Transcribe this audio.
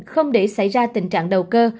không để xảy ra tình trạng đầu cơ